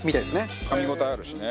かみ応えあるしね。